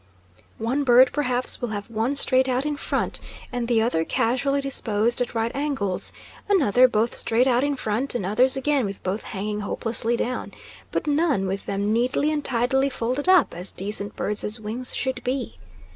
One bird perhaps will have one straight out in front, and the other casually disposed at right angles, another both straight out in front, and others again with both hanging hopelessly down, but none with them neatly and tidily folded up, as decent birds' wings should be.